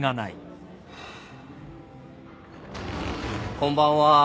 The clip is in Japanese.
こんばんは。